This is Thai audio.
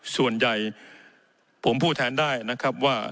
ส่วนใหญ่ผมพูดแทนได้นะครับว่า